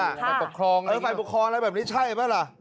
ฝ่ายปกครองเออฝ่ายปกครองอะไรแบบนี้ใช่ไหมล่ะ